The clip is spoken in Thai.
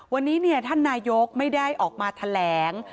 วันนี้ท่านนายกไม่ได้ออกมาแถลง